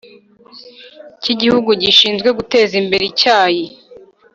cy Igihugu gishinzwe guteza imbere Icyayi